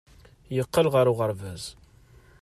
Yeqqel ɣer uɣerbaz.